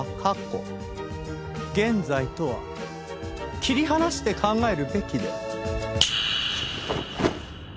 現在とは切り離して考えるべきで。